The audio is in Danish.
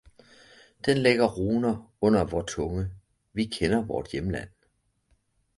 den lægger runer under vor tunge, vi kender vort hjemland.